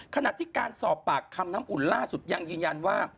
ขณะที่การสอบปากคำน้ำอุ่นล่าสุดยังยืนยันว่า